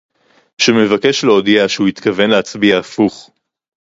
שמבקש להודיע שהוא התכוון להצביע הפוך